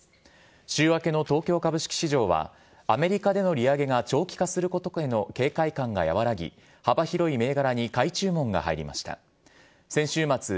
週明けの東京株式市場は、アメリカでの利上げが長期化することへの警戒感が和らぎ、幅広い銘柄に買い注文が入りました。